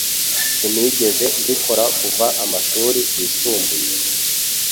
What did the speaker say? Sinigeze mbikora kuva amashuri yisumbuye.